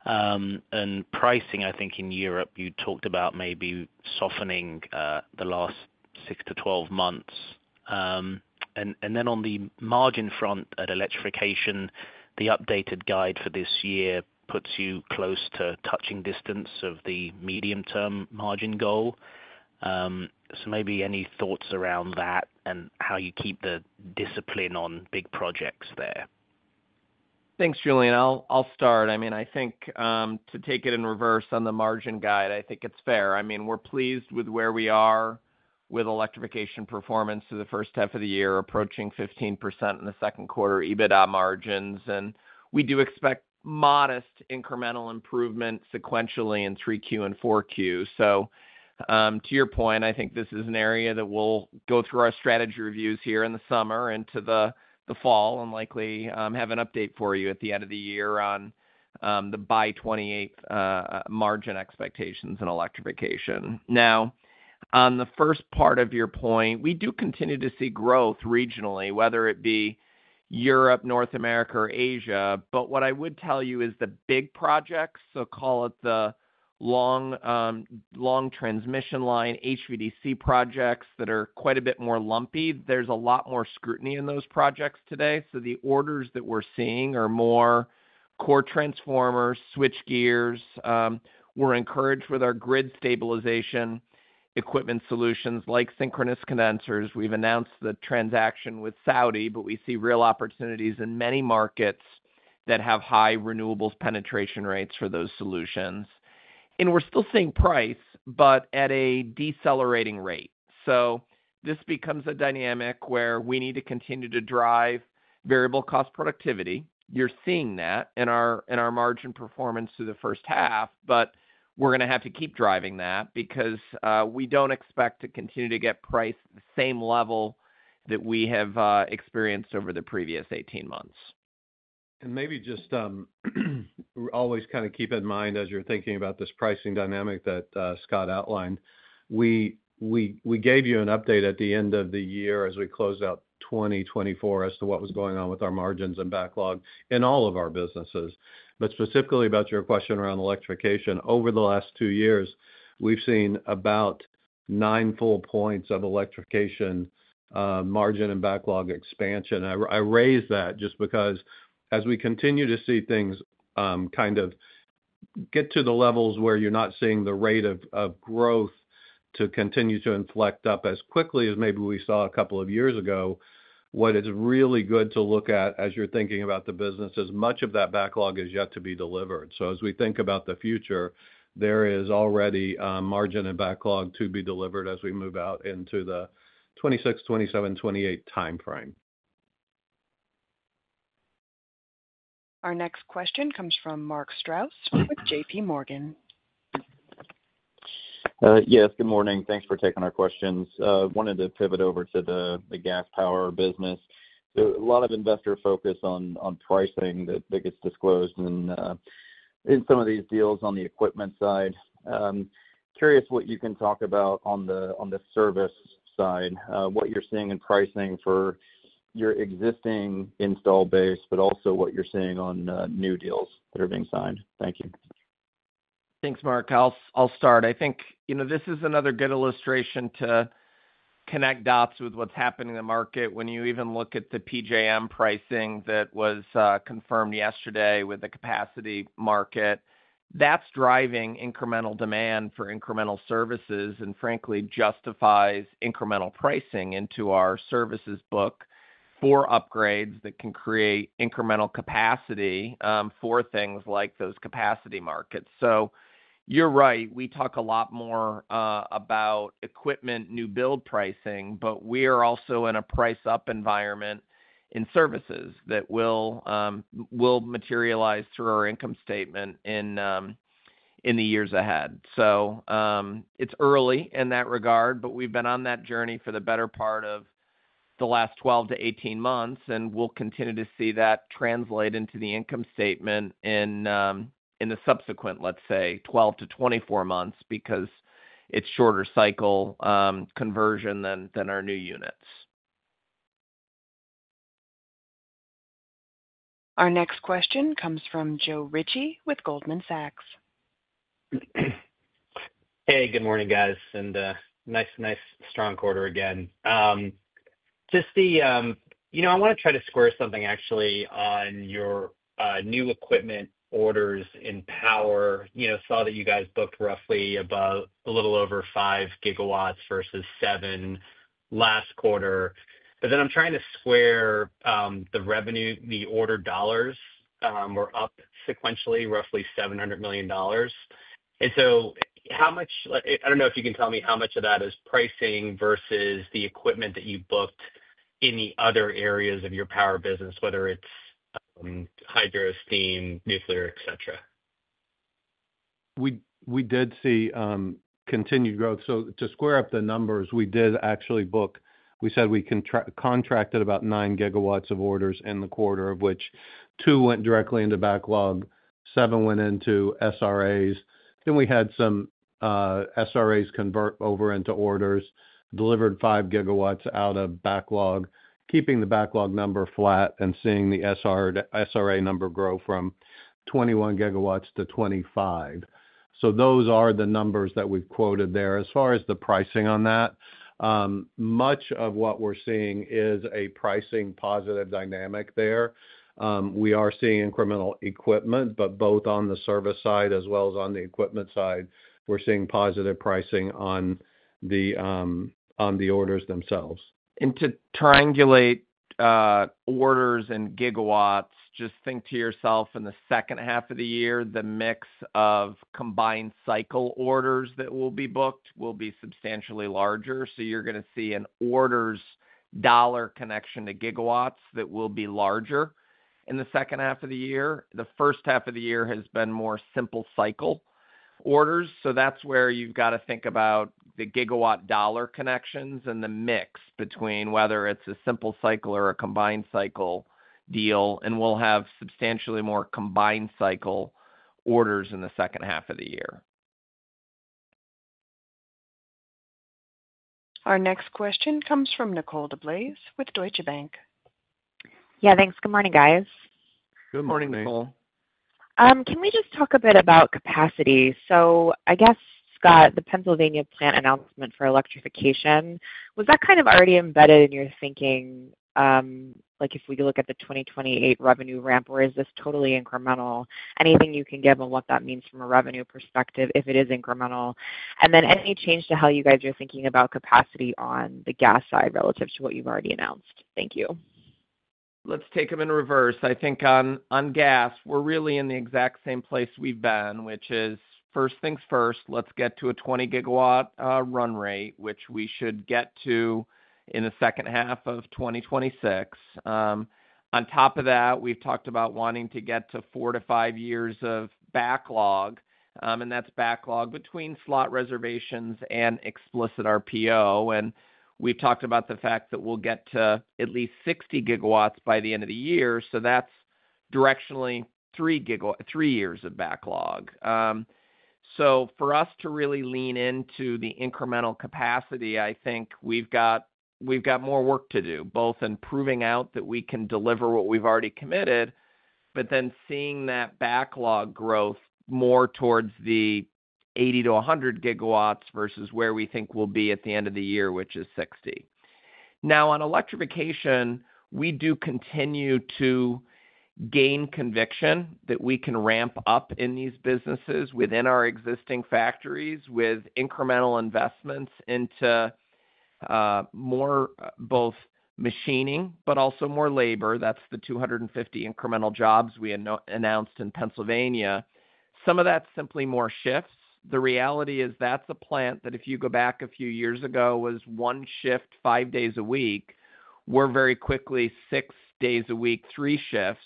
E: And pricing, I think in Europe, you talked about maybe softening the last six to 12 months. And then on the margin front at Electrification, the updated guide for this year puts you close to touching distance of the medium-term margin goal. So maybe any thoughts around that and how you keep the discipline on big projects there?
C: Thanks, Julian. I'll start. I mean, I think to take it in reverse on the margin guide, I think it's fair. I mean, we're pleased with where we are with Electrification performance through the first half of the year, approaching 15% in the second quarter EBITDA margins. And we do expect modest incremental improvement sequentially in 3Q and 4Q. To your point, I think this is an area that we'll go through our strategy reviews here in the summer into the fall and likely have an update for you at the end of the year on the by 2028 margin expectations in Electrification. Now, on the first part of your point, we do continue to see growth regionally, whether it be Europe, North America, or Asia. What I would tell you is the big projects, so call it the long transmission line, HVDC projects that are quite a bit more lumpy. There's a lot more scrutiny in those projects today. The orders that we're seeing are more core transformers, switchgears. We're encouraged with our grid stabilization equipment solutions like synchronous condensers. We've announced the transaction with Saudi, but we see real opportunities in many markets that have high renewables penetration rates for those solutions. We're still seeing price, but at a decelerating rate. This becomes a dynamic where we need to continue to drive variable cost productivity. You're seeing that in our margin performance through the first half, but we're going to have to keep driving that because we don't expect to continue to get priced at the same level that we have experienced over the previous 18 months.
D: Maybe just always kind of keep in mind as you're thinking about this pricing dynamic that Scott outlined. We gave you an update at the end of the year as we close out 2024 as to what was going on with our margins and backlog in all of our businesses. Specifically about your question around Electrification, over the last two years, we've seen about nine full points of Electrification margin and backlog expansion. I raise that just because as we continue to see things kind of get to the levels where you're not seeing the rate of growth continue to inflect up as quickly as maybe we saw a couple of years ago, what is really good to look at as you're thinking about the business is much of that backlog is yet to be delivered. As we think about the future, there is already margin and backlog to be delivered as we move out into the 2026, 2027, 2028 timeframe.
A: Our next question comes from Mark Strouse with JPMorgan.
F: Yes, good morning. Thanks for taking our questions. Wanted to pivot over to the Gas Power business. A lot of investor focus on pricing that gets disclosed in some of these deals on the equipment side. Curious what you can talk about on the service side, what you're seeing in pricing for your existing install base, but also what you're seeing on new deals that are being signed. Thank you.
C: Thanks, Mark. I'll start. I think this is another good illustration to connect dots with what's happening in the market. When you even look at the PJM pricing that was confirmed yesterday with the capacity market, that's driving incremental demand for incremental services and frankly justifies incremental pricing into our services book for upgrades that can create incremental capacity for things like those capacity markets. You're right. We talk a lot more about equipment new build pricing, but we are also in a price-up environment in services that will materialize through our income statement in the years ahead. It's early in that regard, but we've been on that journey for the better part of the last 12 to 18 months, and we'll continue to see that translate into the income statement in the subsequent, let's say, 12 to 24 months because it's shorter cycle conversion than our new units.
A: Our next question comes from Joe Ritchie with Goldman Sachs.
G: Hey, good morning, guys. Nice, nice, strong quarter again. I want to try to square something actually on your new equipment orders in Power. Saw that you guys booked roughly a little over 5 GW versus 7 GW last quarter. But then I'm trying to square the revenue. The order dollars were up sequentially, roughly $700 million. How much, I don't know if you can tell me how much of that is pricing versus the equipment that you booked in the other areas of your Power business, whether it's Hydro, Steam, Nuclear, etc.
D: We did see continued growth. To square up the numbers, we did actually book, we said we contracted about 9 GW of orders in the quarter, of which 2 GW went directly into backlog, 7 GW went into SRAs. Then we had some SRAs convert over into orders, delivered 5 GW out of backlog, keeping the backlog number flat and seeing the SRA number grow from 21 GW to 25 GW. Those are the numbers that we've quoted there. As far as the pricing on that, much of what we're seeing is a pricing positive dynamic there. We are seeing incremental equipment, but both on the service side as well as on the equipment side, we're seeing positive pricing on the orders themselves.
C: To triangulate orders and gigawatts, just think to yourself in the second half of the year, the mix of combined cycle orders that will be booked will be substantially larger. You're going to see an orders dollar connection to gigawatts that will be larger in the second half of the year. The first half of the year has been more simple cycle orders. That's where you've got to think about the gigawatt dollar connections and the mix between whether it's a simple cycle or a combined cycle deal, and we'll have substantially more combined cycle orders in the second half of the year.
A: Our next question comes from Nicole DeBlase with Deutsche Bank.
H: Yeah, thanks. Good morning, guys.
C: Good morning, Nicole.
H: Can we just talk a bit about capacity? I guess, Scott, the Pennsylvania plant announcement for Electrification, was that kind of already embedded in your thinking? If we look at the 2028 revenue ramp, or is this totally incremental? Anything you can give on what that means from a revenue perspective if it is incremental? Any change to how you guys are thinking about capacity on the Gas side relative to what you've already announced? Thank you.
C: Let's take them in reverse. I think on Gas, we're really in the exact same place we've been, which is first things first, let's get to a 20 GW run rate, which we should get to in the second half of 2026. On top of that, we've talked about wanting to get to four to five years of backlog, and that's backlog between slot reservations and explicit RPO. We've talked about the fact that we'll get to at least 60 GW by the end of the year. That's directionally three years of backlog. For us to really lean into the incremental capacity, I think we've got more work to do, both in proving out that we can deliver what we've already committed but then seeing that backlog growth more towards the 80 GW -100 GW versus where we think we'll be at the end of the year, which is 60 GW. Now, on Electrification, we do continue to gain conviction that we can ramp up in these businesses within our existing factories with incremental investments into both machining but also more labor. That's the 250 incremental jobs we announced in Pennsylvania. Some of that's simply more shifts. The reality is that's a plant that if you go back a few years ago was one shift five days a week. We're very quickly six days a week, three shifts.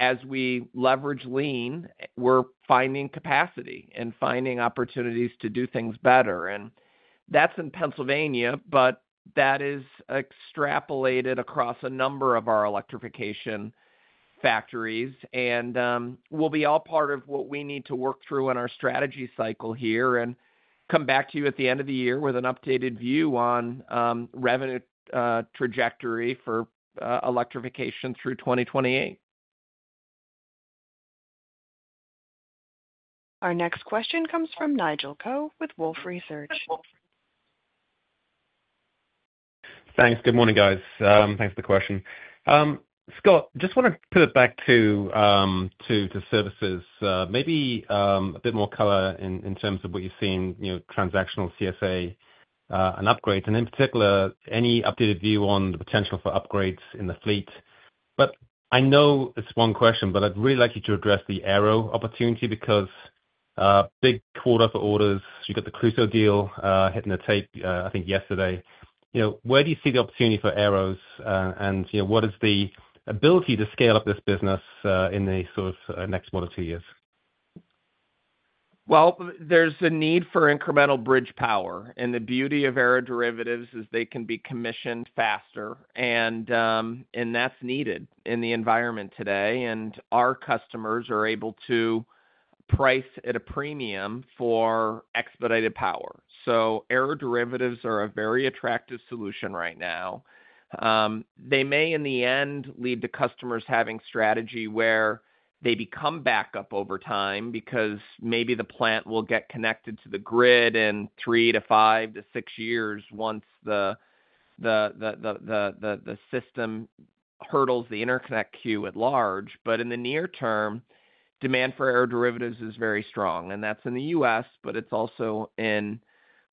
C: As we leverage lean, we're finding capacity and finding opportunities to do things better. That is in Pennsylvania, but that is extrapolated across a number of our Electrification factories. It will be all part of what we need to work through in our strategy cycle here and come back to you at the end of the year with an updated view on revenue trajectory for Electrification through 2028.
A: Our next question comes from Nigel Coe with Wolfe Research.
I: Thanks. Good morning, guys. Thanks for the question. Scott, just want to pivot back to services. Maybe a bit more color in terms of what you've seen, transactional CSA and upgrades. In particular, any updated view on the potential for upgrades in the fleet? I know it's one question, but I'd really like you to address the aero opportunity because big quarter for orders. You got the Crusoe deal hitting the tape, I think, yesterday. Where do you see the opportunity for aeros, and what is the ability to scale up this business in the sort of next one or two years?
C: There is a need for incremental bridge power. The beauty of aero derivatives is they can be commissioned faster. That is needed in the environment today. Our customers are able to price at a premium for expedited power. Aero derivatives are a very attractive solution right now. They may, in the end, lead to customers having strategy where they become backup over time because maybe the plant will get connected to the grid in three to five to six years once the system hurdles the interconnect queue at large. In the near term, demand for aero derivatives is very strong. That is in the U.S., but it's also in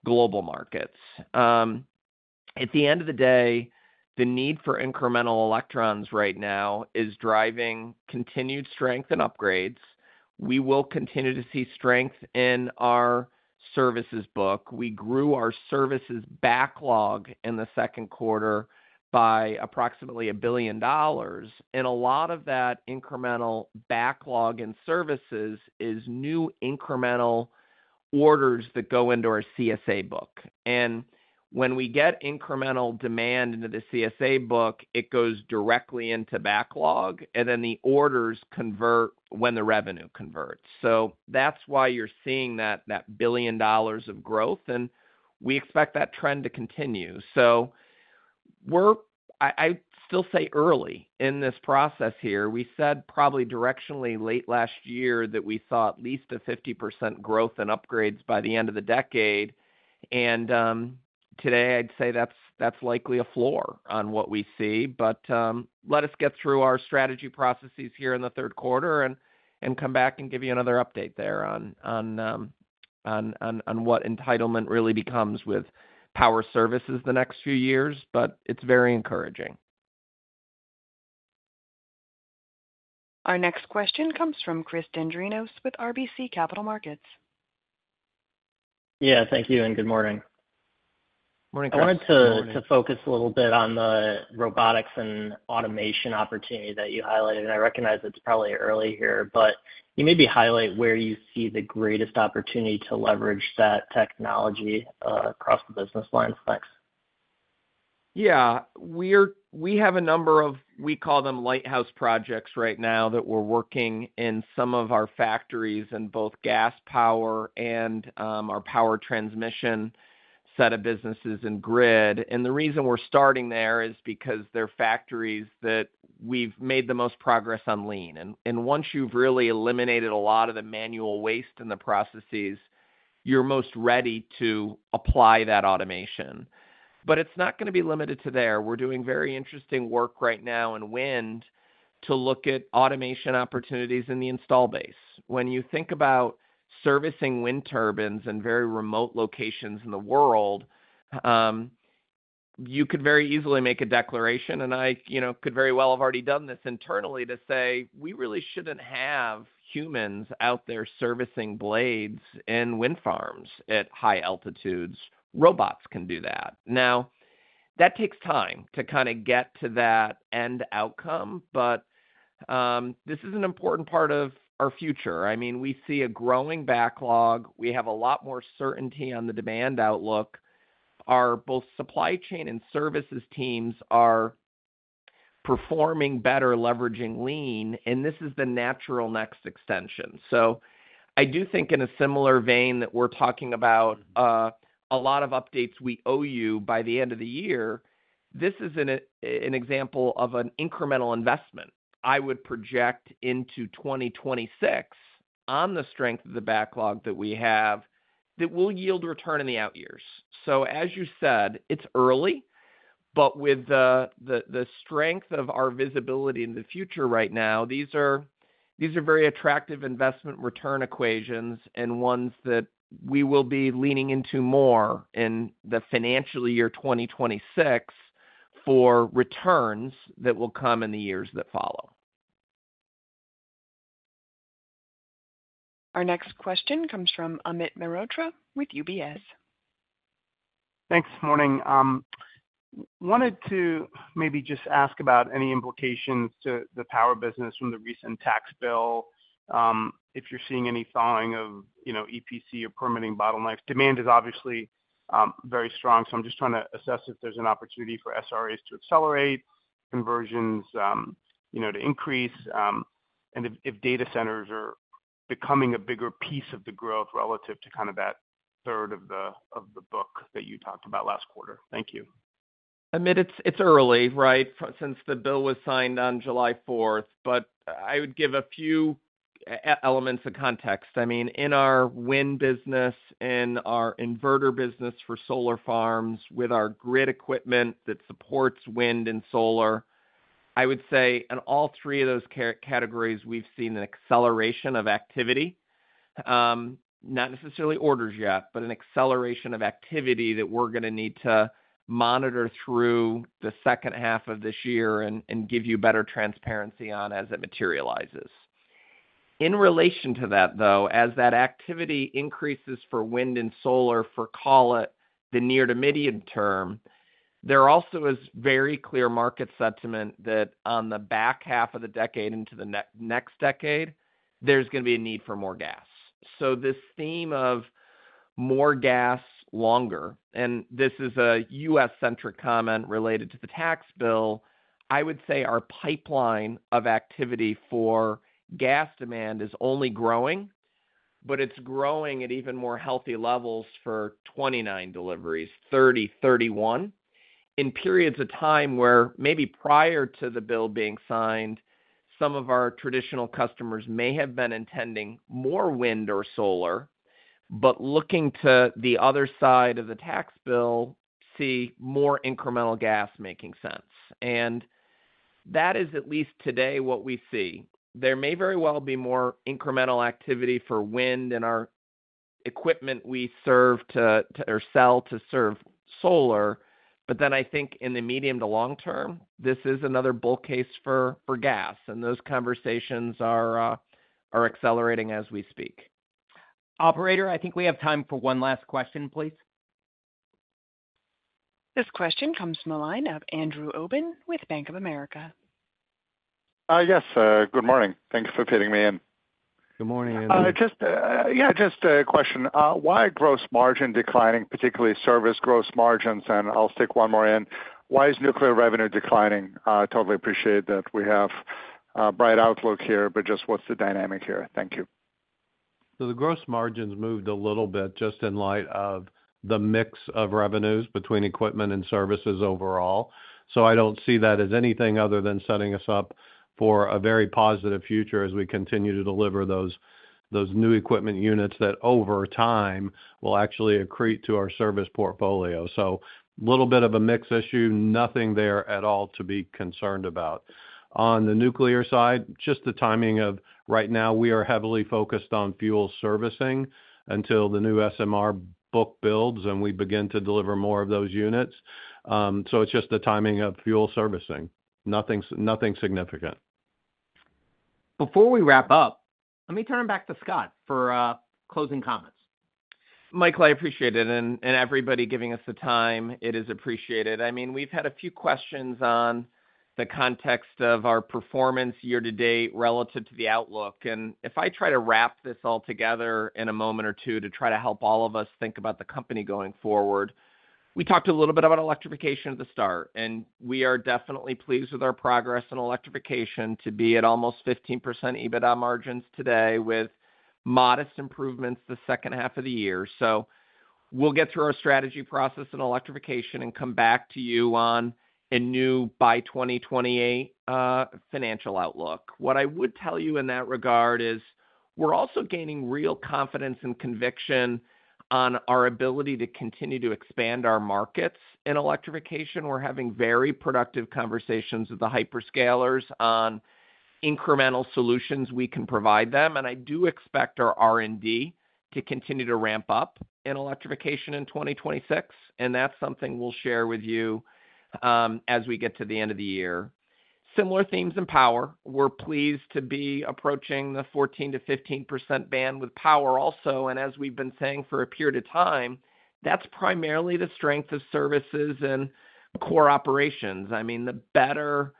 C: global markets. At the end of the day, the need for incremental electrons right now is driving continued strength and upgrades. We will continue to see strength in our services book. We grew our services backlog in the second quarter by approximately $1 billion. A lot of that incremental backlog in services is new incremental orders that go into our CSA book. When we get incremental demand into the CSA book, it goes directly into backlog, and then the orders convert when the revenue converts. That is why you're seeing that $1 billion of growth. We expect that trend to continue. I still say early in this process here. We said probably directionally late last year that we saw at least a 50% growth in upgrades by the end of the decade. Today, I'd say that's likely a floor on what we see. Let us get through our strategy processes here in the third quarter and come back and give you another update there on what entitlement really becomes with Power services the next few years. It is very encouraging. Our next question comes from Chris Dendrinos with RBC Capital Markets.
J: Yeah, thank you. Good morning. I wanted to focus a little bit on the robotics and automation opportunity that you highlighted. And I recognize it's probably early here, but you maybe highlight where you see the greatest opportunity to leverage that technology across the business lines. Thanks.
C: Yeah. We have a number of, we call them lighthouse projects right now that we're working in some of our factories in both Gas Power and our Power Transmission set of businesses and Grid. The reason we're starting there is because they're factories that we've made the most progress on lean. Once you've really eliminated a lot of the manual waste in the processes, you're most ready to apply that automation. It's not going to be limited to there. We're doing very interesting work right now in Wind to look at automation opportunities in the install base. When you think about servicing wind turbines in very remote locations in the world, you could very easily make a declaration, and I could very well have already done this internally to say, "We really shouldn't have humans out there servicing blades in wind farms at high altitudes. Robots can do that." Now, that takes time to kind of get to that end outcome, but this is an important part of our future. I mean, we see a growing backlog. We have a lot more certainty on the demand outlook. Our both supply chain and services teams are performing better leveraging lean, and this is the natural next extension. I do think in a similar vein that we're talking about a lot of updates we owe you by the end of the year, this is an example of an incremental investment I would project into 2026 on the strength of the backlog that we have that will yield return in the out years. As you said, it's early. With the strength of our visibility in the future right now, these are very attractive investment return equations and ones that we will be leaning into more in the financial year 2026 for returns that will come in the years that follow.
A: Our next question comes from Amit Mehrotra with UBS.
K: Thanks. Morning. Wanted to maybe just ask about any implications to the Power business from the recent tax bill. If you're seeing any thawing of EPC or permitting bottlenecks. Demand is obviously very strong, so I'm just trying to assess if there's an opportunity for SRAs to accelerate, conversions to increase, and if data centers are becoming a bigger piece of the growth relative to kind of that third of the book that you talked about last quarter. Thank you.
C: Amit, it's early, right, since the bill was signed on July 4th, but I would give a few elements of context. I mean, in our Wind business, in our inverter business for solar farms with our grid equipment that supports wind and solar, I would say in all three of those categories, we've seen an acceleration of activity. Not necessarily orders yet, but an acceleration of activity that we're going to need to monitor through the second half of this year and give you better transparency on as it materializes. In relation to that, though, as that activity increases for wind and solar, for call it the near to medium term, there also is very clear market sentiment that on the back half of the decade into the next decade, there's going to be a need for more gas. This theme of more gas longer, and this is a U.S.-centric comment related to the tax bill, I would say our pipeline of activity for gas demand is only growing, but it's growing at even more healthy levels for 2029 deliveries, 2030, 2031. In periods of time where maybe prior to the bill being signed, some of our traditional customers may have been intending more wind or solar, but looking to the other side of the tax bill, see more incremental gas making sense. That is at least today what we see. There may very well be more incremental activity for wind and our equipment we serve to or sell to serve solar. I think in the medium to long term, this is another bull case for gas. Those conversations are accelerating as we speak.
B: Operator, I think we have time for one last question, please.
A: This question comes from a line of Andrew Obin with Bank of America.
L: Yes. Good morning. Thanks for fitting me in.
C: Good morning, Andrew.
L: Yeah, just a question. Why gross margin declining, particularly service gross margins? I'll stick one more in. Why is nuclear revenue declining? Totally appreciate that we have a bright outlook here, but just what's the dynamic here? Thank you.
D: The gross margins moved a little bit just in light of the mix of revenues between equipment and services overall. I don't see that as anything other than setting us up for a very positive future as we continue to deliver those new equipment units that over time will actually accrete to our service portfolio. A little bit of a mix issue, nothing there at all to be concerned about. On the nuclear side, just the timing of right now, we are heavily focused on fuel servicing until the new SMR book builds and we begin to deliver more of those units. It's just the timing of fuel servicing. Nothing significant.
B: Before we wrap up, let me turn it back to Scott for closing comments.
C: Mike, I appreciate it. And everybody giving us the time, it is appreciated. I mean, we've had a few questions on the context of our performance year to date relative to the outlook. If I try to wrap this all together in a moment or two to try to help all of us think about the company going forward, we talked a little bit about Electrification at the start. We are definitely pleased with our progress in Electrification to be at almost 15% EBITDA margins today with modest improvements the second half of the year. We will get through our strategy process in Electrification and come back to you on a new by 2028 financial outlook. What I would tell you in that regard is we're also gaining real confidence and conviction on our ability to continue to expand our markets in Electrification. We're having very productive conversations with the hyperscalers on incremental solutions we can provide them. I do expect our R&D to continue to ramp up in Electrification in 2026, and that's something we'll share with you as we get to the end of the year. Similar themes in Power. We're pleased to be approaching the 14%-15% band with Power also. As we've been saying for a period of time, that's primarily the strength of services and core operations. I mean, the better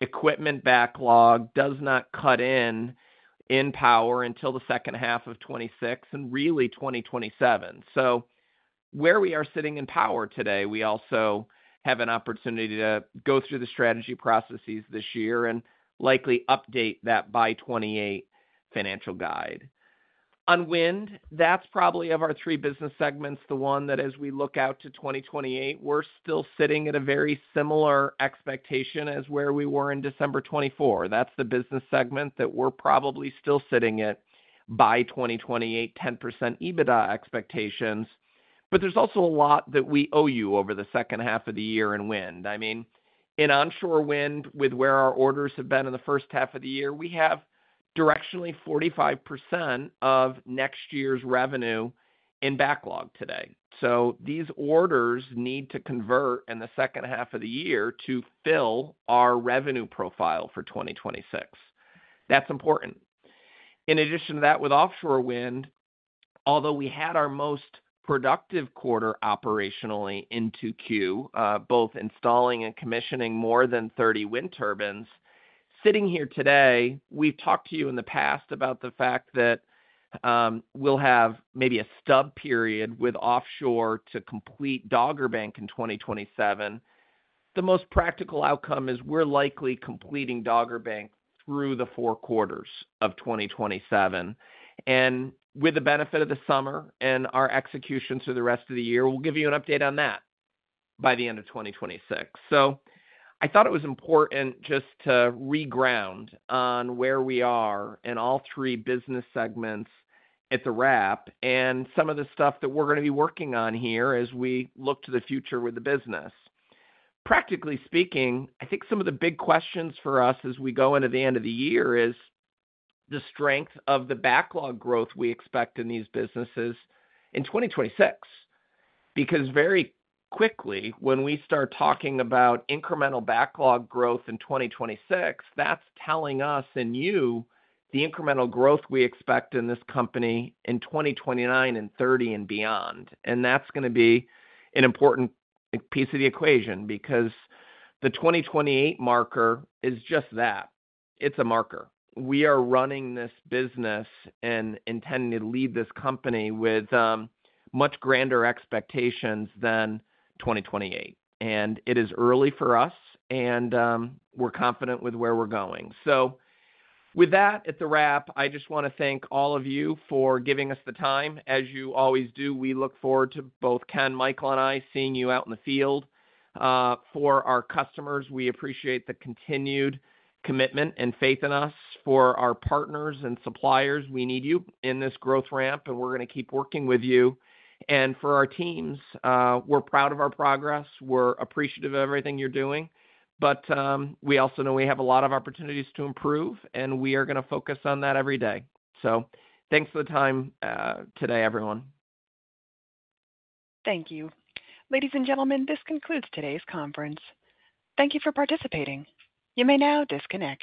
C: equipment backlog does not cut in in Power until the second half of 2026 and really 2027. Where we are sitting in Power today, we also have an opportunity to go through the strategy processes this year and likely update that by 2028 financial guide. On Wind, that's probably of our three business segments, the one that as we look out to 2028, we're still sitting at a very similar expectation as where we were in December 2024. That's the business segment that we're probably still sitting at by 2028, 10% EBITDA expectations. But there's also a lot that we owe you over the second half of the year in Wind. I mean, in Onshore Wind, with where our orders have been in the first half of the year, we have directionally 45% of next year's revenue in backlog today. These orders need to convert in the second half of the year to fill our revenue profile for 2026. That's important. In addition to that, with Offshore Wind, although we had our most productive quarter operationally in 2Q, both installing and commissioning more than 30 wind turbines, sitting here today, we've talked to you in the past about the fact that we'll have maybe a stub period with offshore to complete Dogger Bank in 2027. The most practical outcome is we're likely completing Dogger Bank through the four quarters of 2027. With the benefit of the summer and our execution through the rest of the year, we'll give you an update on that by the end of 2026. I thought it was important just to reground on where we are in all three business segments at the wrap. Some of the stuff that we're going to be working on here as we look to the future with the business. Practically speaking, I think some of the big questions for us as we go into the end of the year is the strength of the backlog growth we expect in these businesses in 2026. Because very quickly, when we start talking about incremental backlog growth in 2026, that's telling us and you the incremental growth we expect in this company in 2029 and 2030 and beyond. That is going to be an important piece of the equation because the 2028 marker is just that. It's a marker. We are running this business and intending to lead this company with much grander expectations than 2028. It is early for us, and we're confident with where we're going. At the wrap, I just want to thank all of you for giving us the time. As you always do, we look forward to both Ken, Michael, and I seeing you out in the field. For our customers, we appreciate the continued commitment and faith in us. For our partners and suppliers, we need you in this growth ramp, and we're going to keep working with you. For our teams, we're proud of our progress. We're appreciative of everything you're doing. We also know we have a lot of opportunities to improve, and we are going to focus on that every day. Thanks for the time today, everyone.
A: Thank you. Ladies and gentlemen, this concludes today's conference. Thank you for participating. You may now disconnect.